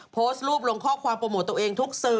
โพสต์รูปลงข้อความโปรโมทตัวเองทุกสื่อ